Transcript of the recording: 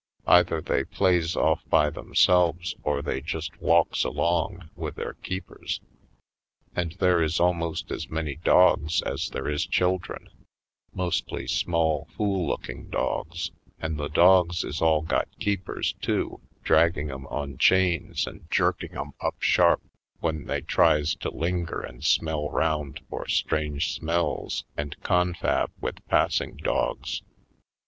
Either they plays ofif by themselves or they just walks along with their keepers. And there is almost as many dogs as there is children, mostly small, fool looking dogs; and the dogs is all got keepers, too, drag ging 'em on chains and jerking 'em up sharp when they tries to linger and smell round for strange smells and confab with passing dogs.